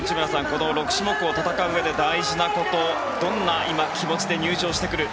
この６種目を戦ううえで大事なことどんな今、気持ちで入場してくる。